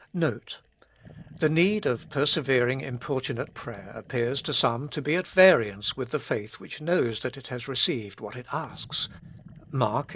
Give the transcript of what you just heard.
NOTE. The need of persevering importunate prayer ap pears to some to be at variance with the faith which knows that it has received what it asks (Mark xi.